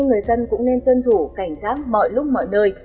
người dân cũng nên tuân thủ cảnh giác mọi lúc mọi nơi